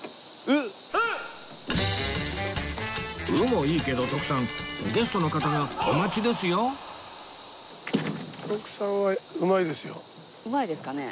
鵜もいいけど徳さんゲストの方がお待ちですようまいですかね？